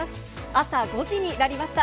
朝５時になりました。